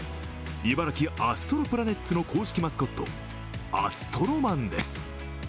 茨城アストロプラネッツの公式マスコット、アストロマンです